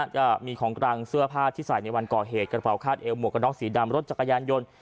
จะมีของกลางเสื้อผ้าที่ใส่ในวันก่อเหตุกระเป๋าคาดเอวหมวกกระน็อกสีดำรถจักรยานยนต์